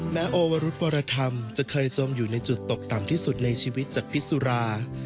โอวรุธวรธรรมจะเคยจมอยู่ในจุดตกต่ำที่สุดในชีวิตจากพิสุรา